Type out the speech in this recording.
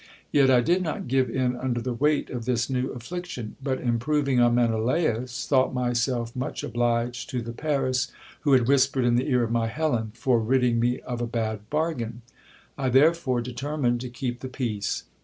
Yet I did not give in under the weight of this new affliction ; but, improving on Menelaus, thought my self much obliged to the Paris who had whispered in the ear of my Helen, for ridding me of a bad bargain ; I therefore determined to keep the peace.